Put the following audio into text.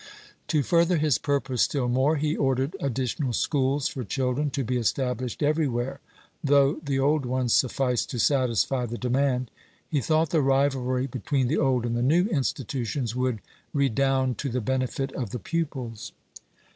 (44) To further his purpose still more, he ordered additional schools for children to be established everywhere, though the old ones sufficed to satisfy the demand. He thought the rivalry between the old and the new institutions would redound to the benefit of the pupils.